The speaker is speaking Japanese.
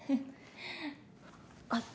あっ